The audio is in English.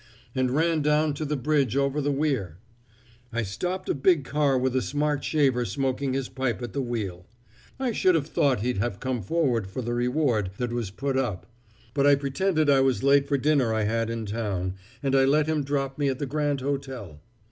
and ran down to the bridge over the weir. I stopped a big car with a smart shaver smoking his pipe at the wheel. I should have thought he'd have come forward for the reward that was put up; but I pretended I was late for dinner I had in town, and I let him drop me at the Grand Hotel.